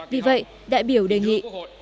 vì vậy đại biểu đề nghị